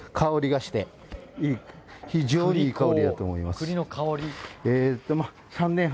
非常にいい香りだと思います。